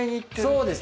そうです